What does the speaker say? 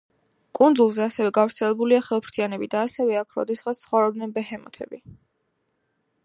კუნძულზე ასევე გავრცელებულია ხელფრთიანები და ასევე აქ როდესღაც ცხოვრობდნენ ბეჰემოთები.